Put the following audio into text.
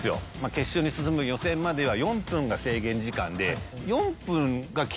決勝に進む予選までは４分が制限時間で。